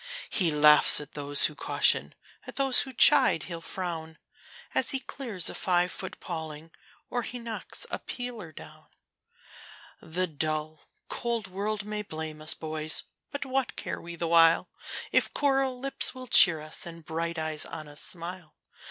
He laughs at those who caution, at those who chide he'll frown, As he clears a five foot paling, or he knocks a peeler down. The dull, cold world may blame us, boys! but what care we the while, If coral lips will cheer us, and bright eyes on us smile?